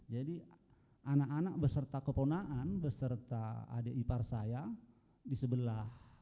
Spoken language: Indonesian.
jadi anak anak beserta keponaan beserta adik ipar saya di sebelah